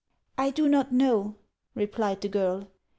" I do not know," replied the girl.